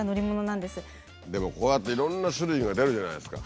でもこうやっていろんな種類が出るじゃないですか。